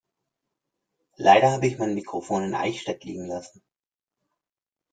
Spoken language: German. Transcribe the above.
Leider habe ich mein Mikrofon in Eichstätt liegen lassen.